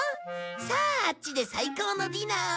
さああっちで最高のディナーを。